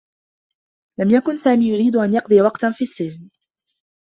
لم يكن سامي يريد أن يقضي وقتا في السّجن.